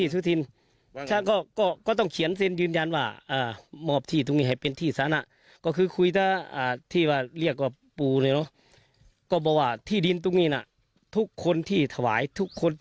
สี่หมื่นจริงไหมครับผมโอ้ราคาไรเท่านี้เขาไม่ขายน่ะ